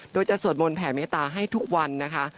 โดยจะสวดมนต์แผ่เมตตาให้ทุกวันนะคะ